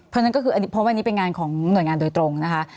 เพราะฉะนั้นก็คืออันนี้เพราะวันนี้เป็นงานของหน่วยงานโดยตรงนะคะ